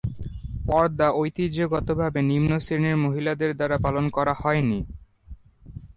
পর্দা ঐতিহ্যগতভাবে নিম্ন-শ্রেণীর মহিলাদের দ্বারা পালন করা হয়নি।